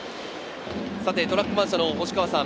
トラックマン社の星川さん。